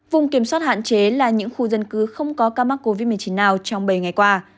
vùng kiểm soát hạn chế là những khu dân cư không có ca mắc covid một mươi chín nào trong bảy ngày qua